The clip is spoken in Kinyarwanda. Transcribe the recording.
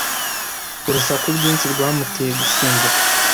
Urusaku rwinshi rwamuteye gusimbuka.